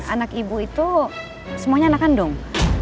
anak ibu itu semuanya anak kandung